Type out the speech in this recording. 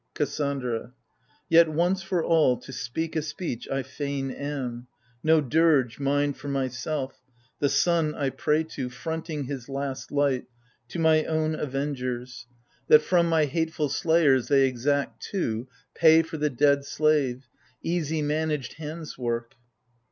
KASSANDRA. Yet once for all, to speak a speech, I fain am : No dirge, mine for myself ! The sun I pray to, Fronting his last light !— to my own avengers — in AGAMEMNON. That from my hateful slayers they exact too Pay for the dead slave — easy managed hand's work